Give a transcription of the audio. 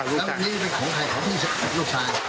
แล้วนี่เป็นของใครของที่ลูกชาย